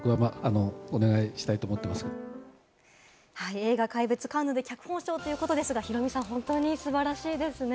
映画『怪物』、カンヌで脚本賞ということですがヒロミさん、本当に素晴らしいですよね。